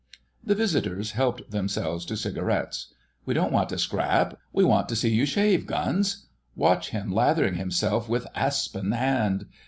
The visitors helped themselves to cigarettes. "We don't want to scrap: we want to see you shave, Guns. Watch him lathering himself with aspen hand!"